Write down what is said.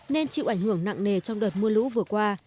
nên chịu ảnh hưởng nặng nề trong đợt mưa lũ vừa qua